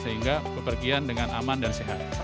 sehingga pepergian dengan aman dan sehat